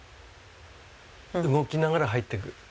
動きながら入ってく。